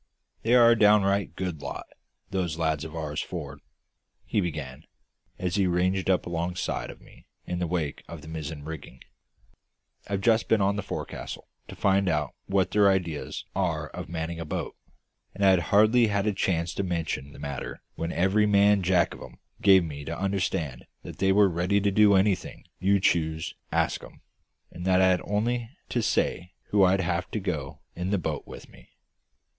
"They are a downright good lot those lads of ours, for'ard," he began, as he ranged up alongside of me in the wake of the mizzen rigging. "I've just been on the fo'c's'le to find out what their ideas are about manning a boat; and I'd hardly had a chance to mention the matter when every man Jack of 'em gave me to understand that they were ready to do anything you choose to ask 'em, and that I'd only to say who I'd have to go in the boat with me.